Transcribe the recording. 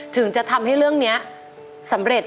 ถึงจะทำให้เรื่องนี้สำเร็จ